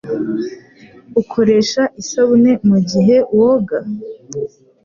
Ukoresha isabune mugihe woga?